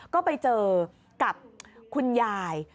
ก็ไปเจอกับคุณยาย